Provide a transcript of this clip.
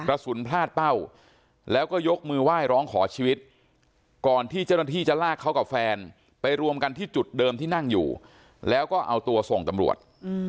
กระสุนพลาดเป้าแล้วก็ยกมือไหว้ร้องขอชีวิตก่อนที่เจ้าหน้าที่จะลากเขากับแฟนไปรวมกันที่จุดเดิมที่นั่งอยู่แล้วก็เอาตัวส่งตำรวจ